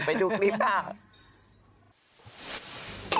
ไปดูคลิปค่ะ